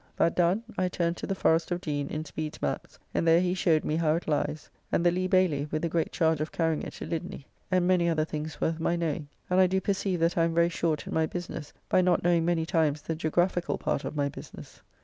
That done, I turned to the Forrest of Deane, in Speede's Mapps, and there he showed me how it lies; and the Lea bayly, with the great charge of carrying it to Lydny, and many other things worth my knowing; and I do perceive that I am very short in my business by not knowing many times the geographical part of my business.